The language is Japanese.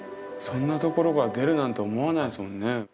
そんなところから出るなんて思わないですもんね。